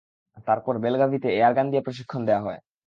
তারপর বেলাগাভিতে এয়ারগান দিয়ে প্রশিক্ষণ দেওয়া হয়।